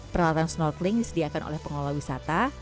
peralatan snorkeling disediakan oleh pengelola wisata